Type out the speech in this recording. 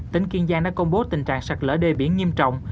tỉnh kiên giang đã công bố tình trạng sạt lỡ đê biển nghiêm trọng